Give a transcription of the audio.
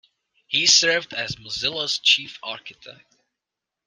He served as Mozilla's chief architect.